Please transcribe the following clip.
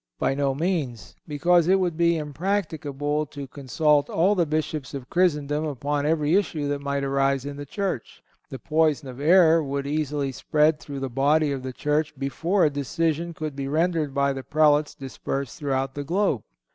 By no means, because it would be impracticable to consult all the Bishops of Christendom upon every issue that might arise in the Church. The poison of error would easily spread through the body of the Church before a decision could be rendered by the Prelates dispersed throughout the globe.